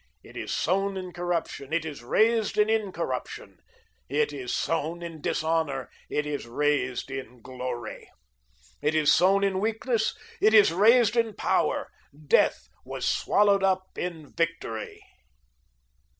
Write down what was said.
It is sown in corruption. It is raised in incorruption. It is sown in dishonour. It is raised in glory. It is sown in weakness. It is raised in power. Death was swallowed up in Victory.